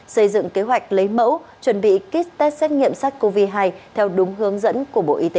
xây dựng kế hoạch lấy mẫu chuẩn bị kích test xét nghiệm sát covid một mươi chín theo đúng hướng dẫn của bộ y tế